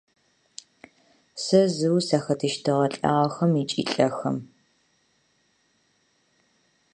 Я был один среди мертвых и умирающих.